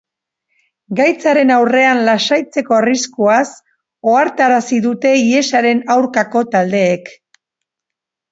Gaitzaren aurrean lasaitzeko arriskuaz ohartarazi dute hiesaren aurkako taldeek.